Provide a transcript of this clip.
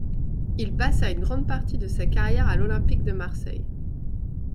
Il passa une grande partie de sa carrière à l'Olympique de Marseille.